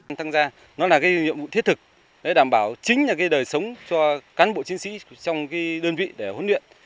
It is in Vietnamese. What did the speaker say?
sự tham gia nó là cái nhiệm vụ thiết thực để đảm bảo chính là cái đời sống cho cán bộ chiến sĩ trong cái đơn vị để huấn luyện